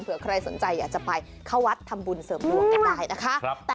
ใครสนใจอยากจะไปเข้าวัดทำบุญเสริมดวงกันได้นะคะ